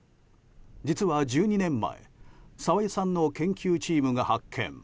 実は１２年前澤井さんの研究チームが発見。